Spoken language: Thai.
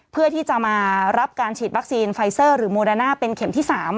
เพื่อที่จะมารับการฉีดวัคซีนไฟเซอร์หรือโมดาน่าเป็นเข็มที่๓